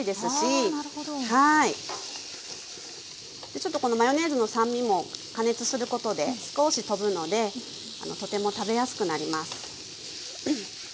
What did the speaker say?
でちょっとこのマヨネーズの酸味も加熱することで少しとぶのでとても食べやすくなります。